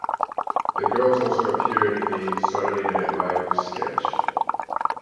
The girls also appeared in a "Saturday Night Live" sketch.